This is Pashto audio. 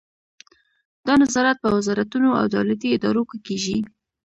دا نظارت په وزارتونو او دولتي ادارو کې کیږي.